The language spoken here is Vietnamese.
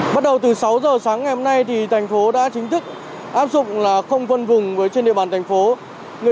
giao thông tăng lên nhiều trong khung giờ cao điểm dòng phương tiện nối đuôi nhau